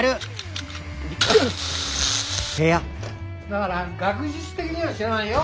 だから学術的には知らないよ？